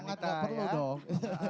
sangat gak perlu dong